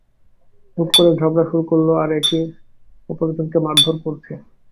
হুট করে ঝগড়া শুরু করলো আর একে অপরজনকে মারধর করছে।